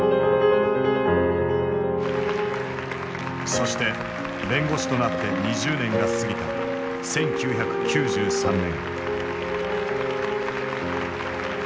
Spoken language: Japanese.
そして弁護士となって２０年が過ぎた１９９３年。